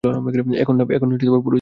এখন না, পুরুষদের খাওয়ার পর।